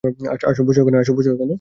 আসো, বসো এখানে।